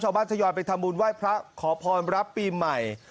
ชาวบ้านทะยอนไปทำบุญไหว้พระขอพรรพปีใหม่